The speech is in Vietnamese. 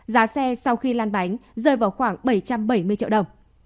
giá xe sau khi lan bánh rơi vào khoảng bảy trăm bảy mươi triệu đồng